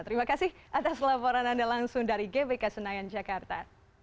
terima kasih atas laporan anda langsung dari gbk senayan jakarta